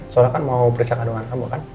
soalnya kan mau periksa kandungan kamu kan